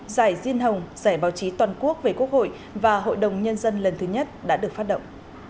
giải diên hồng giải báo chí toàn quốc về quốc hội và hội đồng nhân dân lần thứ nhất đã được phát động